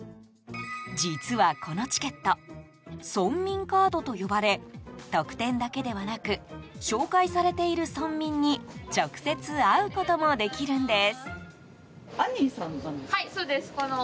実は、このチケット村民カードと呼ばれ特典だけではなく紹介されている村民に直接会うこともできるんです。